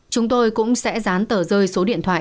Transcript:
chúng tôi cũng sẽ dán tờ rơi số điện thoại